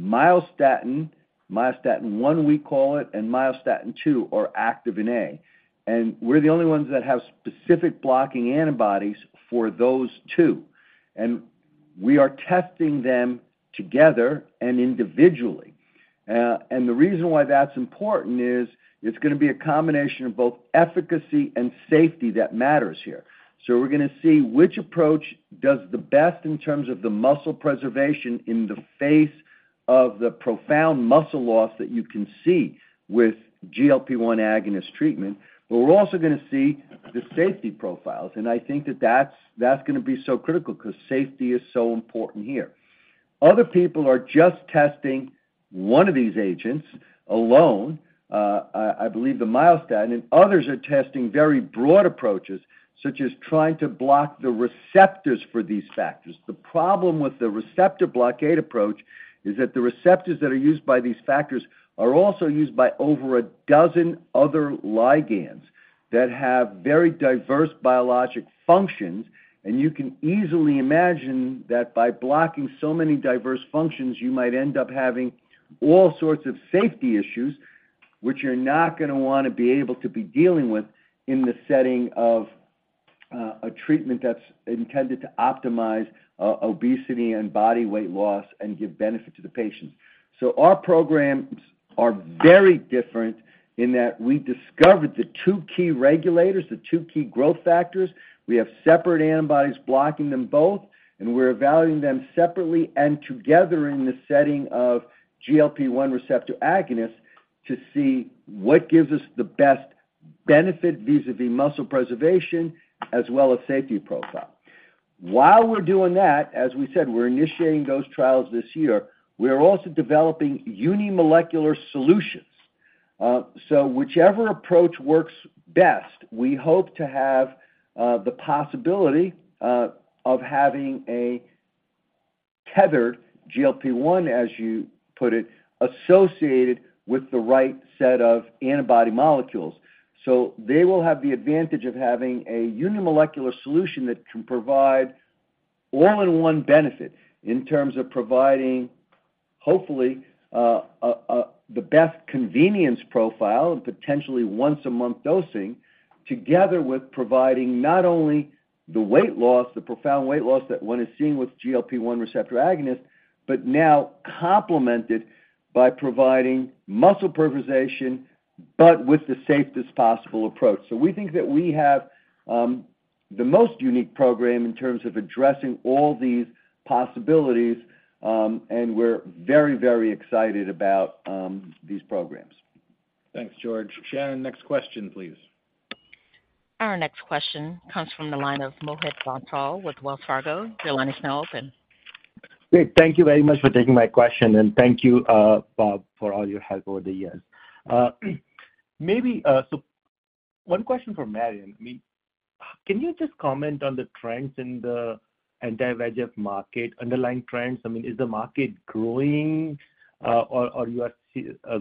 Myostatin, myostatin one, we call it, and myostatin two or Activin A, and we're the only ones that have specific blocking antibodies for those two, and we are testing them together and individually. And the reason why that's important is it's gonna be a combination of both efficacy and safety that matters here. So we're gonna see which approach does the best in terms of the muscle preservation in the face of the profound muscle loss that you can see with GLP-1 agonist treatment. But we're also gonna see the safety profiles, and I think that that's gonna be so critical because safety is so important here. Other people are just testing one of these agents alone, I believe the myostatin, and others are testing very broad approaches, such as trying to block the receptors for these factors. The problem with the receptor blockade approach is that the receptors that are used by these factors are also used by over a dozen other ligands that have very diverse biologic functions, and you can easily imagine that by blocking so many diverse functions, you might end up having all sorts of safety issues, which you're not gonna wanna be able to be dealing with in the setting of a treatment that's intended to optimize obesity and body weight loss and give benefit to the patients. So our programs are very different in that we discovered the two key regulators, the two key growth factors. We have separate antibodies blocking them both, and we're evaluating them separately and together in the setting of GLP-1 receptor agonist, to see what gives us the best benefit vis-a-vis muscle preservation, as well as safety profile. While we're doing that, as we said, we're initiating those trials this year, we are also developing unimolecular solutions. So whichever approach works best, we hope to have the possibility of having a tethered GLP-1, as you put it, associated with the right set of antibody molecules. So they will have the advantage of having a unimolecular solution that can provide all-in-one benefit in terms of providing, hopefully, the best convenience profile, and potentially once a month dosing, together with providing not only the weight loss, the profound weight loss that one is seeing with GLP-1 receptor agonist, but now complemented by providing muscle preservation, but with the safest possible approach. So we think that we have the most unique program in terms of addressing all these possibilities, and we're very, very excited about these programs. Thanks, George. Shannon, next question, please. Our next question comes from the line of Mohit Bansal with Wells Fargo. Your line is now open. Great, thank you very much for taking my question, and thank you, Bob, for all your help over the years. Maybe, so one question for Marion. I mean, can you just comment on the trends in the anti-VEGF market, underlying trends? I mean, is the market growing, or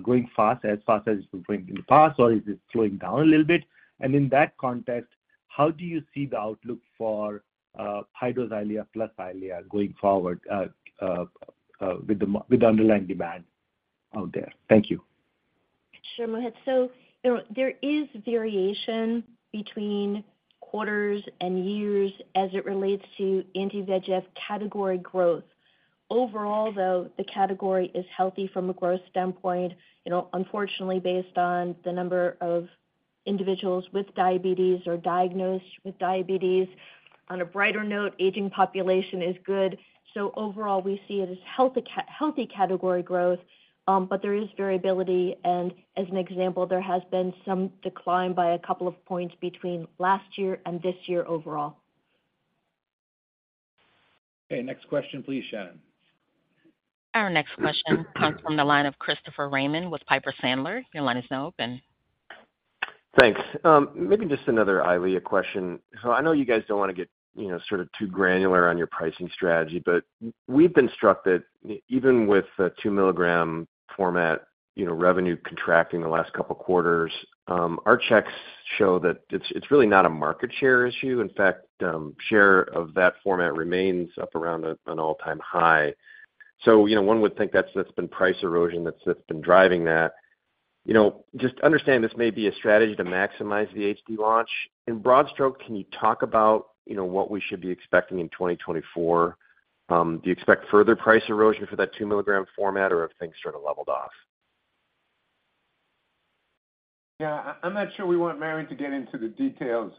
growing fast, as fast as it was growing in the past, or is it slowing down a little bit? And in that context, how do you see the outlook for, high-dose EYLEA plus EYLEA going forward, with the underlying demand out there? Thank you. Sure, Mohit. So there is variation between quarters and years as it relates to anti-VEGF category growth. Overall, though, the category is healthy from a growth standpoint, you know, unfortunately, based on the number of individuals with diabetes or diagnosed with diabetes. On a brighter note, aging population is good. So overall, we see it as healthy category growth, but there is variability, and as an example, there has been some decline by a couple of points between last year and this year overall. Okay, next question, please, Shannon. Our next question comes from the line of Christopher Raymond with Piper Sandler. Your line is now open. Thanks. Maybe just another EYLEA question. So I know you guys don't wanna get, you know, sort of too granular on your pricing strategy, but we've been struck that even with the 2 milligram format, you know, revenue contracting the last couple quarters, our checks show that it's, it's really not a market share issue. In fact, share of that format remains up around an all-time high. So, you know, one would think that's, that's been price erosion that's, that's been driving that. You know, just understand this may be a strategy to maximize the HD launch. In broad stroke, can you talk about, you know, what we should be expecting in 2024? Do you expect further price erosion for that 2-mg format, or have things sort of leveled off? Yeah, I'm not sure we want Marion to get into the details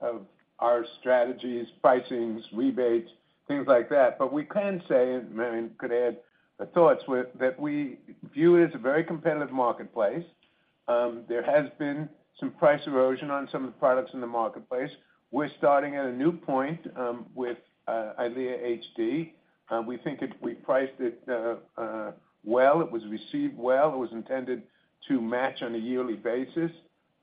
of our strategies, pricings, rebates, things like that. But we can say, and Marion could add her thoughts, that we view it as a very competitive marketplace. There has been some price erosion on some of the products in the marketplace. We're starting at a new point with EYLEA HD. We think we priced it well, it was received well. It was intended to match on a yearly basis.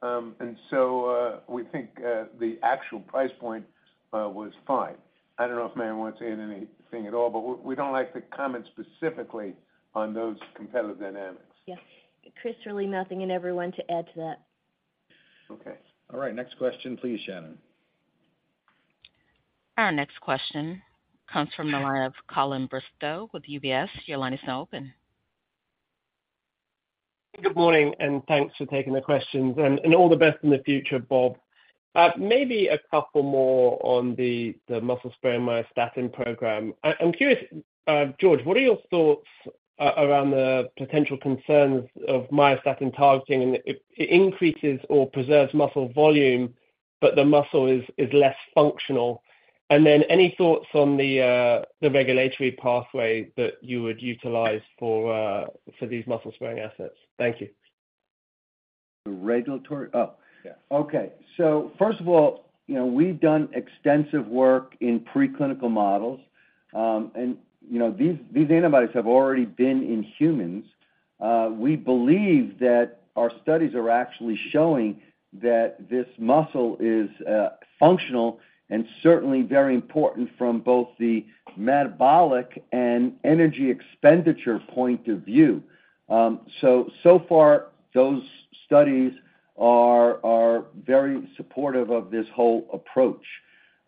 And so, we think the actual price point was fine. I don't know if Marion wants to add anything at all, but we don't like to comment specifically on those competitive dynamics. Yeah. Chris, really nothing and everyone to add to that. Okay. All right, next question, please, Shannon. Our next question comes from the line of Colin Bristow with UBS. Your line is now open. Good morning, and thanks for taking the questions, and all the best in the future, Bob. Maybe a couple more on the muscle-sparing myostatin program. I'm curious, George, what are your thoughts around the potential concerns of myostatin targeting, and it increases or preserves muscle volume, but the muscle is less functional? And then any thoughts on the regulatory pathway that you would utilize for these muscle-sparing assets? Thank you. Okay. So first of all, you know, we've done extensive work in preclinical models. And, you know, these antibodies have already been in humans. We believe that our studies are actually showing that this muscle is functional and certainly very important from both the metabolic and energy expenditure point of view. So far, those studies are very supportive of this whole approach.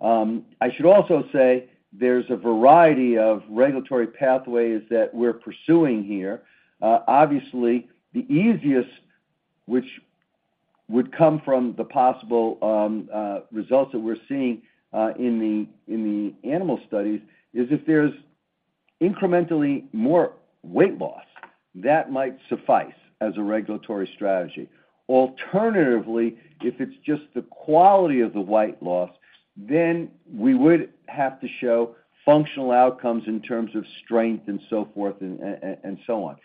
I should also say there's a variety of regulatory pathways that we're pursuing here. Obviously, the easiest, which would come from the possible results that we're seeing in the animal studies, is if there's incrementally more weight loss, that might suffice as a regulatory strategy. Alternatively, if it's just the quality of the weight loss, then we would have to show functional outcomes in terms of strength and so forth, and and so on.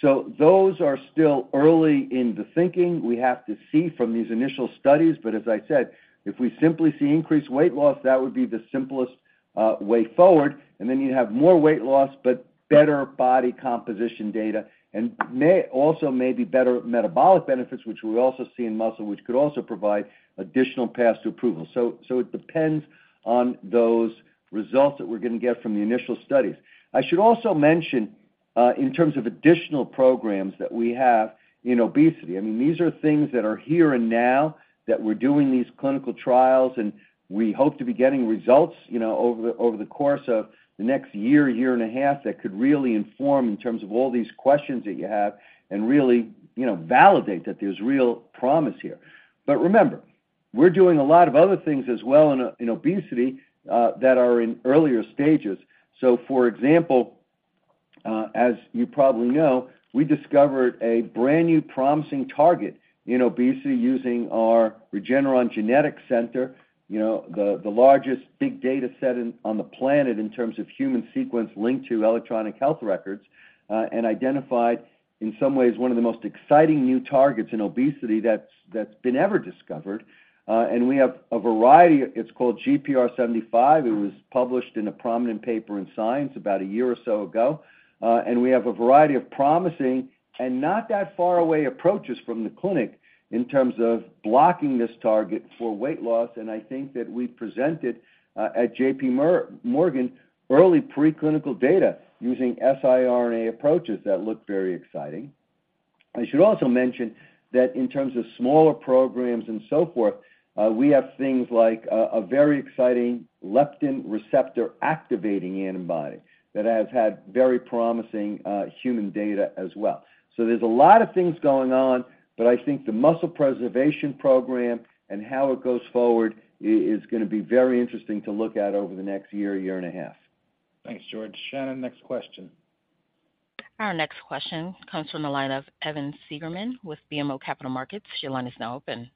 So those are still early in the thinking. We have to see from these initial studies. But as I said, if we simply see increased weight loss, that would be the simplest way forward, and then you'd have more weight loss, but better body composition data, and also maybe better metabolic benefits, which we also see in muscle, which could also provide additional paths to approval. So it depends on those results that we're going to get from the initial studies. I should also mention, in terms of additional programs that we have in obesity, I mean, these are things that are here and now, that we're doing these clinical trials, and we hope to be getting results, you know, over the course of the next year, year and a half, that could really inform in terms of all these questions that you have and really, you know, validate that there's real promise here. But remember, we're doing a lot of other things as well in obesity, that are in earlier stages. So for example, as you probably know, we discovered a brand new promising target in obesity using our Regeneron Genetics Center, you know, the largest big data set on the planet in terms of human sequence linked to electronic health records, and identified, in some ways, one of the most exciting new targets in obesity that's been ever discovered. And we have a variety. It's called GPR75. It was published in a prominent paper in Science about a year or so ago. And we have a variety of promising and not that far away approaches from the clinic in terms of blocking this target for weight loss, and I think that we presented at JPMorgan early preclinical data using siRNA approaches that look very exciting. I should also mention that in terms of smaller programs and so forth, we have things like a very exciting leptin receptor-activating antibody that has had very promising human data as well. So there's a lot of things going on, but I think the muscle preservation program and how it goes forward is gonna be very interesting to look at over the next year, year and a half. Thanks, George. Shannon, next question. Our next question comes from the line of Evan Seigerman with BMO Capital Markets. Your line is now open.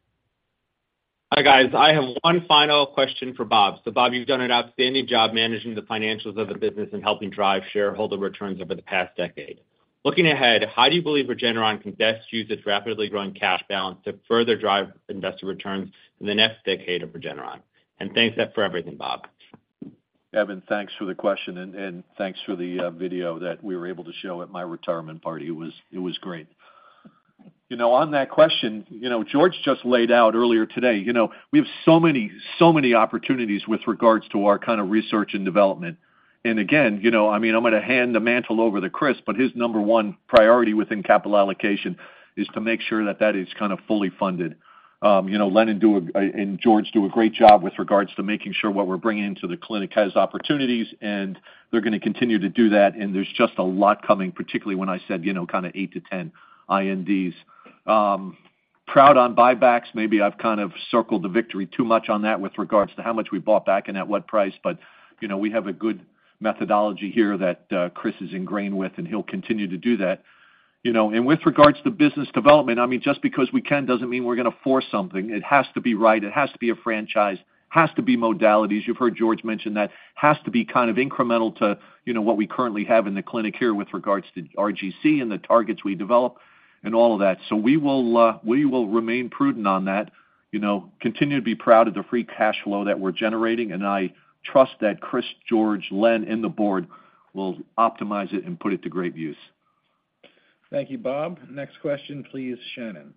Hi, guys. I have one final question for Bob. So Bob, you've done an outstanding job managing the financials of the business and helping drive shareholder returns over the past decade. Looking ahead, how do you believe Regeneron can best use its rapidly growing cash balance to further drive investor returns in the next decade of Regeneron? And thanks, for everything, Bob. Evan, thanks for the question, and thanks for the video that we were able to show at my retirement party. It was, it was great. You know, on that question, you know, George just laid out earlier today, you know, we have so many, so many opportunities with regards to our kind of research and development. And again, you know, I mean, I'm going to hand the mantle over to Chris, but his number one priority within capital allocation is to make sure that that is kind of fully funded. You know, Len and George do a great job with regards to making sure what we're bringing into the clinic has opportunities, and they're going to continue to do that, and there's just a lot coming, particularly when I said, you know, kind of eight-10 INDs. Proud on buybacks. Maybe I've kind of circled the victory too much on that with regards to how much we bought back and at what price, but, you know, we have a good methodology here that Chris is ingrained with, and he'll continue to do that. You know, and with regards to business development, I mean, just because we can, doesn't mean we're going to force something. It has to be right, it has to be a franchise, has to be modalities. You've heard George mention that. Has to be kind of incremental to, you know, what we currently have in the clinic here with regards to RGC and the targets we develop and all of that. So we will, we will remain prudent on that, you know, continue to be proud of the free cash flow that we're generating, and I trust that Chris, George, Len, and the board will optimize it and put it to great use. Thank you, Bob. Next question, please, Shannon.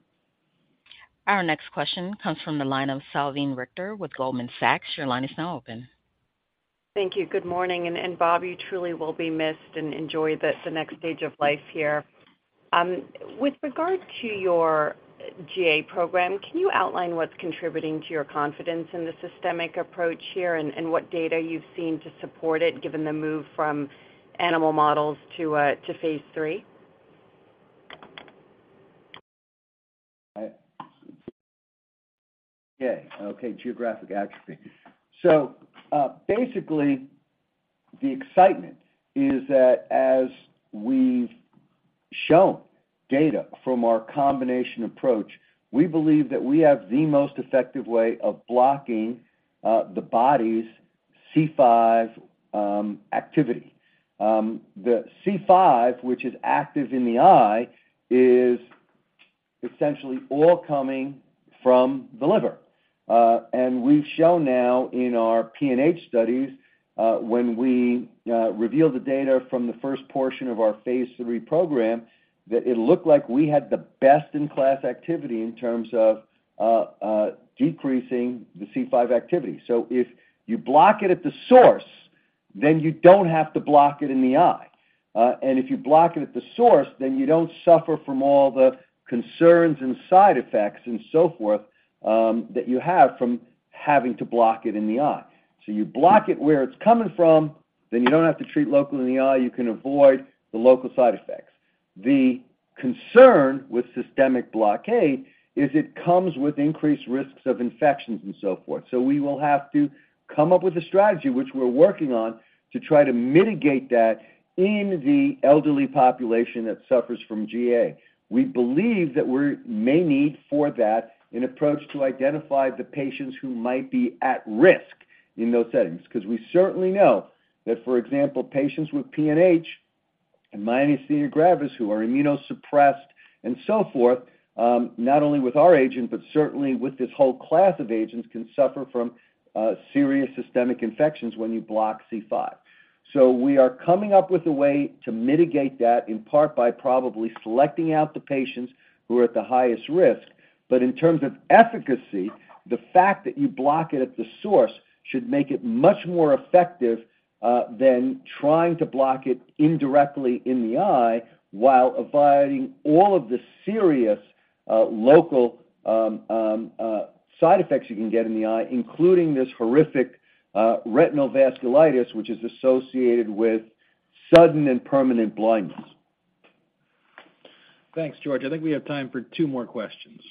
Our next question comes from the line of Salveen Richter with Goldman Sachs. Your line is now open. Thank you. Good morning, and Bob, you truly will be missed and enjoy the next stage of life here. With regard to your GA program, can you outline what's contributing to your confidence in the systemic approach here, and what data you've seen to support it, given the move from animal models to phase III? Yeah, okay, geographic atrophy. So, basically, the excitement is that as we've shown data from our combination approach, we believe that we have the most effective way of blocking the body's C5 activity. The C5, which is active in the eye, is essentially all coming from the liver. And we've shown now in our PNH studies, when we revealed the data from the first portion of our phase III program, that it looked like we had the best-in-class activity in terms of decreasing the C5 activity. So if you block it at the source, then you don't have to block it in the eye. And if you block it at the source, then you don't suffer from all the concerns and side effects and so forth that you have from having to block it in the eye. So you block it where it's coming from, then you don't have to treat locally in the eye, you can avoid the local side effects. The concern with systemic blockade is it comes with increased risks of infections and so forth. So we will have to come up with a strategy, which we're working on, to try to mitigate that in the elderly population that suffers from GA. We believe that we may need for that, an approach to identify the patients who might be at risk in those settings, because we certainly know that, for example, patients with PNH and myasthenia gravis, who are immunosuppressed and so forth, not only with our agent, but certainly with this whole class of agents, can suffer from serious systemic infections when you block C5. So we are coming up with a way to mitigate that, in part by probably selecting out the patients who are at the highest risk. But in terms of efficacy, the fact that you block it at the source should make it much more effective than trying to block it indirectly in the eye while avoiding all of the serious local side effects you can get in the eye, including this horrific retinal vasculitis, which is associated with sudden and permanent blindness. Thanks, George. I think we have time for two more questions.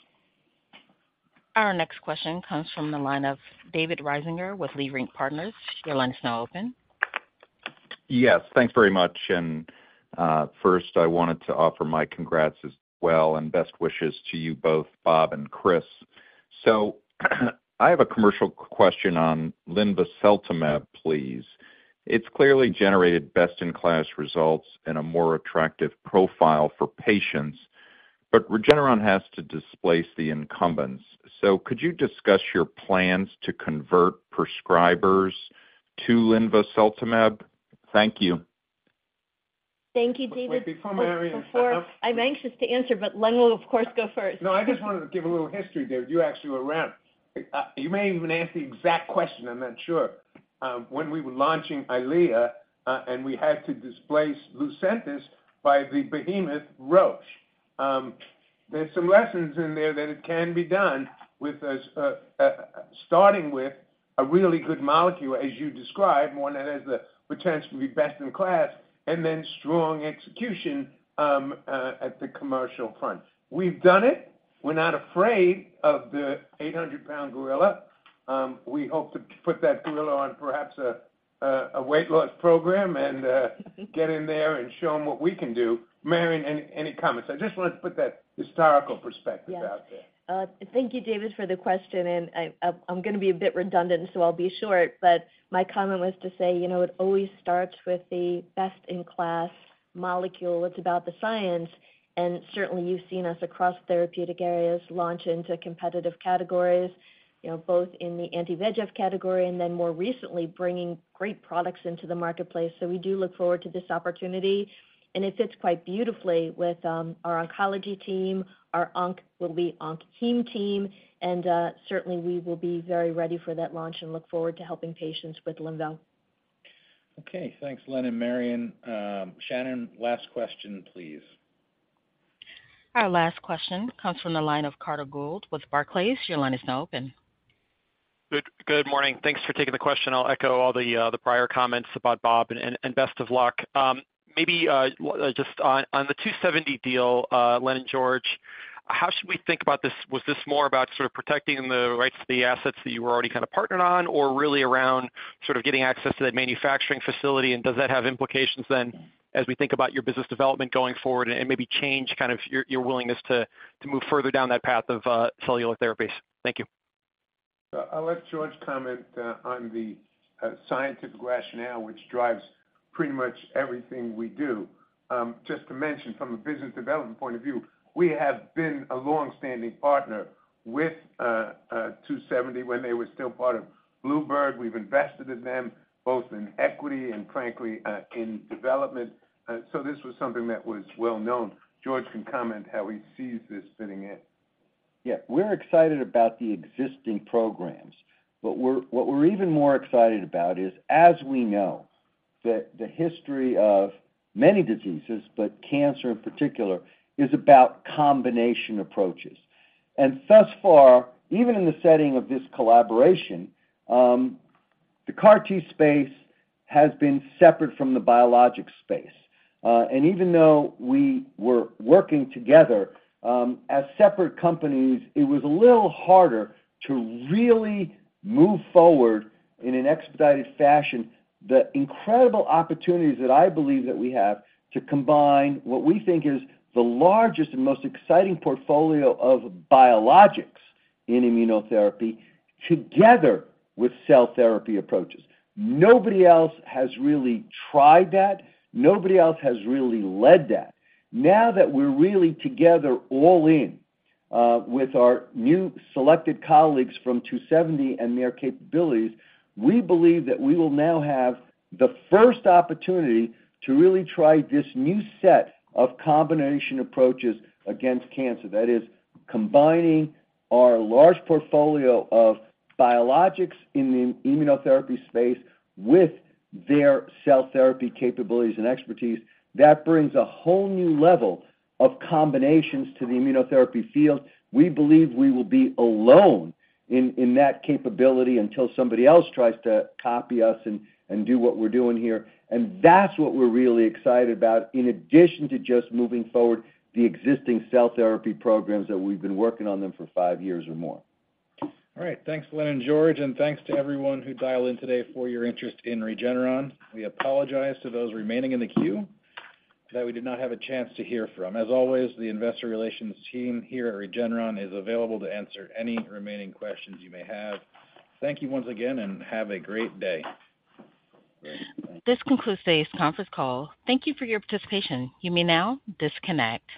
Our next question comes from the line of David Risinger with Leerink Partners. Your line is now open. Yes, thanks very much. And, first, I wanted to offer my congrats as well, and best wishes to you both, Bob and Chris. So I have a commercial question on linvoseltamab, please. It's clearly generated best-in-class results and a more attractive profile for patients, but Regeneron has to displace the incumbents. So could you discuss your plans to convert prescribers to linvoseltamab? Thank you. Thank you, David. I'm anxious to answer, but Len will, of course, go first. No, I just wanted to give a little history, David. You actually were around. You may even ask the exact question, I'm not sure. When we were launching EYLEA, and we had to displace Lucentis by the behemoth Roche. There's some lessons in there that it can be done with us, starting with a really good molecule, as you described, one that has the potential to be best in class, and then strong execution, at the commercial front. We've done it. We're not afraid of the 800-pound gorilla. We hope to put that gorilla on perhaps a, a weight loss program and, get in there and show them what we can do. Marion, any, any comments? I just wanted to put that historical perspective out there. Yeah. Thank you, David, for the question, and I'm gonna be a bit redundant, so I'll be short. But my comment was to say, you know, it always starts with the best-in-class molecule. It's about the science, and certainly, you've seen us across therapeutic areas launch into competitive categories, you know, both in the anti-VEGF category, and then more recently, bringing great products into the marketplace. So we do look forward to this opportunity, and it fits quite beautifully with our oncology team, our onc will be onc/hem team and certainly, we will be very ready for that launch and look forward to helping patients with linvo. Okay, thanks, Len and Marion. Shannon, last question, please. Our last question comes from the line of Carter Gould with Barclays. Your line is now open. Good morning. Thanks for taking the question. I'll echo all the prior comments about Bob and best of luck. Maybe just on the 2seventy deal, Len and George, how should we think about this? Was this more about sort of protecting the rights to the assets that you were already kind of partnered on, or really around sort of getting access to that manufacturing facility? And does that have implications then, as we think about your business development going forward and maybe change kind of your willingness to move further down that path of cellular therapies? Thank you. I'll let George comment on the scientific rationale, which drives pretty much everything we do. Just to mention, from a business development point of view, we have been a long-standing partner with 2seventy when they were still part of bluebird. We've invested in them, both in equity and frankly in development. So this was something that was well known. George can comment how he sees this fitting in. Yeah, we're excited about the existing programs, but we're, what we're even more excited about is, as we know, that the history of many diseases, but cancer in particular, is about combination approaches. And thus far, even in the setting of this collaboration, the CAR-T space has been separate from the biologic space. Even though we were working together, as separate companies, it was a little harder to really move forward in an expedited fashion, the incredible opportunities that I believe that we have to combine what we think is the largest and most exciting portfolio of biologics in immunotherapy, together with cell therapy approaches. Nobody else has really tried that. Nobody else has really led that. Now that we're really together all in, with our new selected colleagues from 2seventy and their capabilities, we believe that we will now have the first opportunity to really try this new set of combination approaches against cancer. That is, combining our large portfolio of biologics in the immunotherapy space with their cell therapy capabilities and expertise, that brings a whole new level of combinations to the immunotherapy field. We believe we will be alone in that capability until somebody else tries to copy us and do what we're doing here. And that's what we're really excited about, in addition to just moving forward the existing cell therapy programs that we've been working on them for five years or more. All right. Thanks, Len and George, and thanks to everyone who dialed in today for your interest in Regeneron. We apologize to those remaining in the queue that we did not have a chance to hear from. As always, the Investor Relations team here at Regeneron is available to answer any remaining questions you may have. Thank you once again, and have a great day. This concludes today's conference call. Thank you for your participation. You may now disconnect.